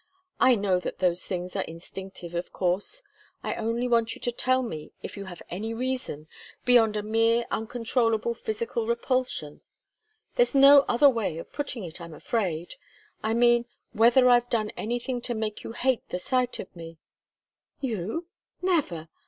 I know that those things are instinctive, of course. I only want you to tell me if you have any reason beyond a mere uncontrollable physical repulsion. There's no other way of putting it, I'm afraid. I mean, whether I've ever done anything to make you hate the sight of me " "You? Never.